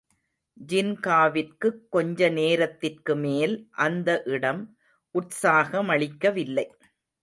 ஜின்காவிற்குக் கொஞ்ச நேரத்திற்குமேல் அந்த இடம் உற்சாகமளிக்கவில்லை.